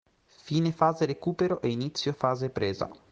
Fine fase recupero e inizio fase presa.